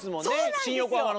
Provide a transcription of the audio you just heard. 新横浜の次。